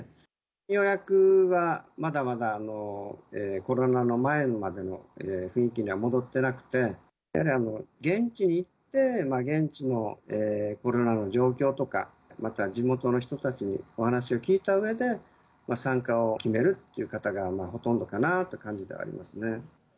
予約はまだまだコロナの前までの雰囲気には戻ってなくて、やはり現地に行って現地のコロナの状況とか、また地元の人たちにお話を聞いたうえで、参加を決めるという方がほとんどかなと感じておりますね。